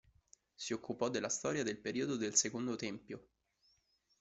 Si occupò della storia del periodo del Secondo Tempio.